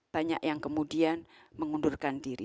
banyak yang kemudian mengundurkan diri